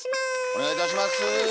お願いいたします。